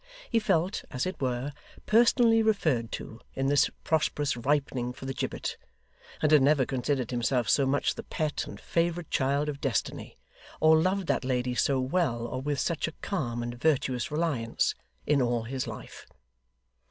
He felt, as it were, personally referred to, in this prosperous ripening for the gibbet; and had never considered himself so much the pet and favourite child of Destiny, or loved that lady so well or with such a calm and virtuous reliance, in all his life.